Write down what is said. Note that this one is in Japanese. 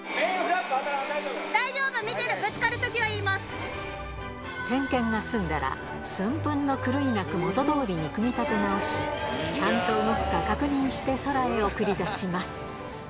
大丈夫、見てる、ぶつかると点検が済んだら、寸分の狂いなく元どおりに組み立て直し、ちゃんと動くか確認して、空へ送り出します。